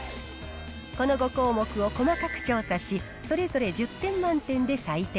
この５項目を細かく調査し、それぞれ１０点満点で採点。